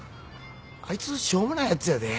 あいつしょうもないヤツやで。